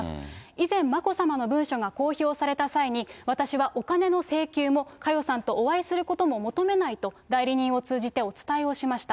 以前、眞子さまの文書が公表された際に、私はお金の請求も佳代さんとお会いすることも求めないと、代理人を通じてお伝えをしました。